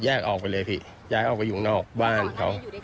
ออกไปเลยพี่ย้ายออกไปอยู่นอกบ้านเขา